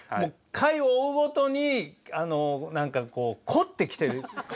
回を追うごとに何かこう凝ってきてる。